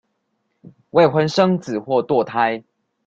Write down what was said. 未婚生子或墮胎